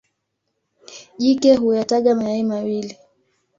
Jike huyataga mayai mawili.